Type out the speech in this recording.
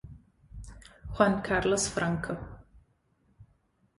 Juan Carlos Franco